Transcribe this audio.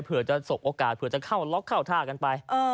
เผื่อจะสบโอกาสเผื่อจะเข้าล็อกเข้าท่ากันไป